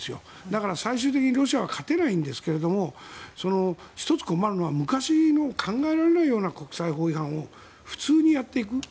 だから、最終的にロシアは勝てないんですけど１つ困るのは、昔の考えられないような国際法違反を普通にやっていく。